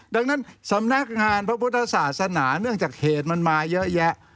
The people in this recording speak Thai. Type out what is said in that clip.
ดังนั้นสำนักงานพระพุทธศาสนาเนื่องจากเหตุมันมาเยอะแยะ